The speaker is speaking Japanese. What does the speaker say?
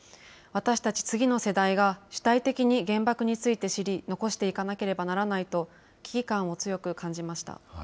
私たち次の世代が主体的に原爆について知り、残していかなければならないと危機感を強く感じました。